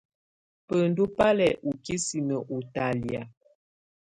Bɛndɔ́ bá lɛ ɔ ikisinǝ́ ɔ ɔtalɛ̀á.